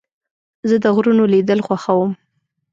زه د غرونو لیدل خوښوم.